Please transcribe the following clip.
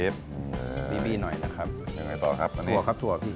บีบหน่อยนะครับ